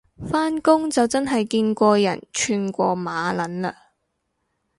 返工就真係見過人串過馬撚嘞